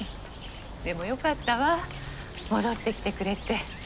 でもよかったわ戻ってきてくれて。